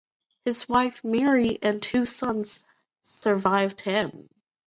His wife Mary and two sons survived him.